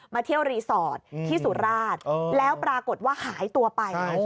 เที่ยวรีสอร์ทที่สุราชแล้วปรากฏว่าหายตัวไป